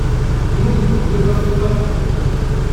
Non ! ne partez pas !